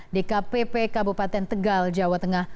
dkpp kabupaten tegal jawa tengah